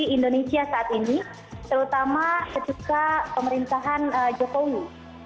di indonesia saat ini terutama ketika pemerintahan jokowi